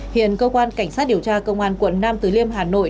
hiện cơ quan cảnh sát điều tra công an quận nam từ liêm hà nội